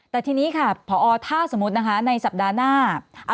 แต่ทีนี้ค่ะพอถ้าสมมุตินะคะในสัปดาห์หน้า